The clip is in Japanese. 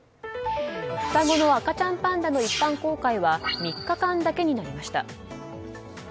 双子の赤ちゃんパンダの一般公開は３日間だけになりました。